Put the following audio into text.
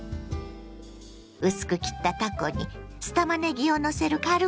薄く切ったたこに酢たまねぎをのせるカルパッチョ。